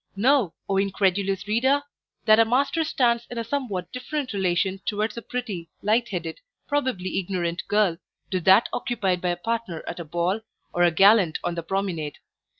Know, O incredulous reader! that a master stands in a somewhat different relation towards a pretty, light headed, probably ignorant girl, to that occupied by a partner at a ball, or a gallant on the promenade.